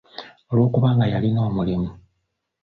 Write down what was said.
Olw'okuba nga yalina omulimu.